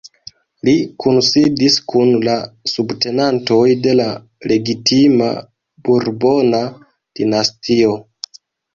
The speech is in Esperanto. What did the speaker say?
Li kunsidis kun la subtenantoj de la legitima burbona dinastio.